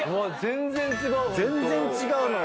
全然違うのよ